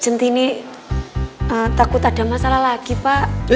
jentini takut ada masalah lagi pak